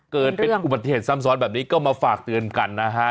เกิดเป็นอุบัติเหตุซ้ำซ้อนแบบนี้ก็มาฝากเตือนกันนะฮะ